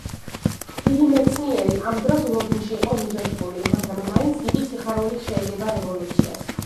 დიდი მეცნიერი ამ დროს ლოგინში იყო მიჯაჭვული, მაგრამ მაინც დიდი სიხარულით შეეგება რევოლუციას.